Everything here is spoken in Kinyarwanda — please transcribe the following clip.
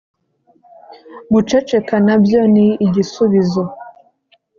guceceka nabyo ni igisubizo.